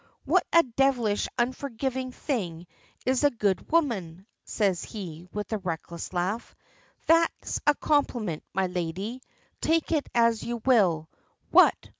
"What a devilish unforgiving thing is a good woman," says he, with a reckless laugh. "That's a compliment, my lady take it as you will. What!